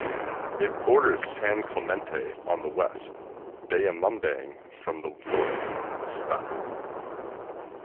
It borders San Clemente on the west, Bayambang from the north, Sta.